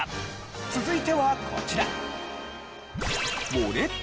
続いてはこちら。